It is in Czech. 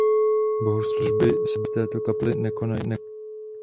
Bohoslužby se v této kapli nekonají.